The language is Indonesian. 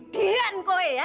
dian koe ya